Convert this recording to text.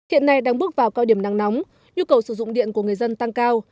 hiện nay đang bước vào cao điểm nắng nóng nhu cầu sử dụng điện của người dân tăng cao